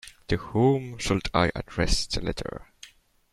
To whom should I address the letter?